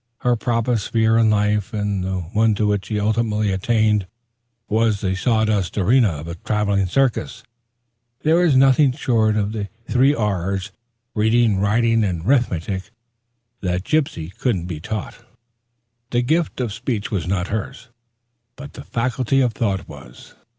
Her proper sphere in life and the one to which she ultimately attained was the saw dust arena of a travelling circus. There was nothing short of the three R's, reading, 'riting, and 'rithmetic, that Gypsy couldn't be taught. The gift of speech was not hers, but the faculty of thought was.